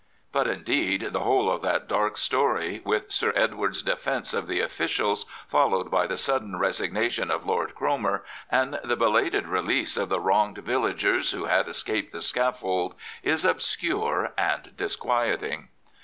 But, indeed, the whole of that dark story, with Sir Edward's defence of the ofiScials, followed by the sudden resignation of Lord Cromer and the belated release of the wronged villagers who had escaped the scaffold, is obscure and disquieting.